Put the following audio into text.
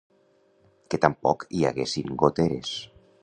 Que tampoc hi haguessin goteres;